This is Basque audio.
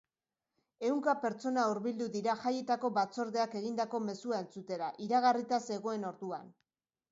Ehunka pertsona hurbildu dira jaietako batzordeak egindako mezua entzutera, iragarrita zegoen orduan.